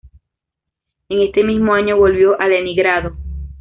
En este mismo año volvió a Leningrado.